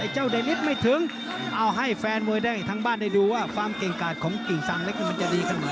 เจ้าเดนิดไม่ถึงเอาให้แฟนมวยได้ทั้งบ้านได้ดูว่าความเก่งกาดของกิ่งสังเล็กมันจะดีขนาดไหน